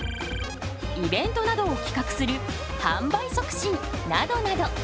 イベントなどを企画する販売促進などなど。